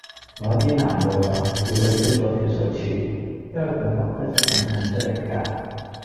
我有啲難度呀，要去追咗條水柱，因為佢不規則咁噴出嚟㗎